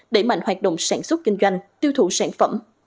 đẩy mạnh hoạt động sản xuất kinh doanh tiêu thụ sản phẩm